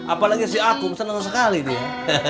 apalagi si akum seneng sekali dia